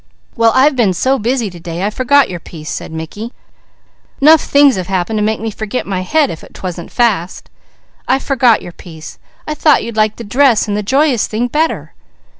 "Well I've been so busy to day, I forgot your piece, said Mickey. "'Nough things have happened to make me forget my head, if 'twasn't fast. I forgot your piece. I thought you'd like the dress and the joyous thing better."